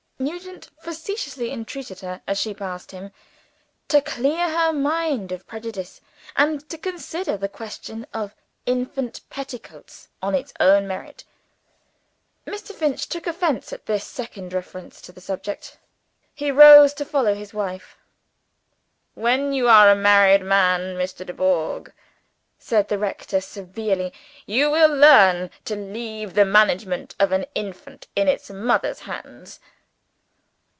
Nugent facetiously entreated her, as she passed him, to clear her mind of prejudice, and consider the question of infant petticoats on its own merits. Mr. Finch took offense at this second reference to the subject. He rose to follow his wife. "When you are a married man, Mr. Dubourg," said the rector severely, "you will learn to leave the management of an infant in its mother's hands."